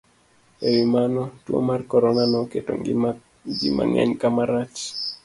E wi mano, tuwo mar corona noketo ngima ji mang'eny kama rach,